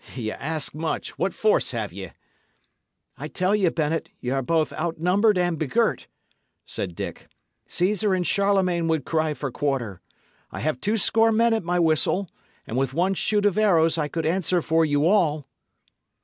Ye ask much. What force have ye?" "I tell you, Bennet, ye are both outnumbered and begirt," said Dick. "Caesar and Charlemagne would cry for quarter. I have two score men at my whistle, and with one shoot of arrows I could answer for you all."